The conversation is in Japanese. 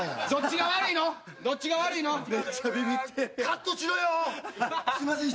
どっちが悪いの？